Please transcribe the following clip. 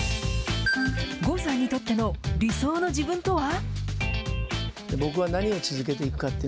郷さんにとっての理想の自分とは？